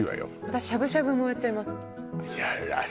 私しゃぶしゃぶもやっちゃいます